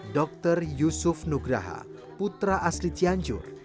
dr yusuf nugraha putra asli cianjur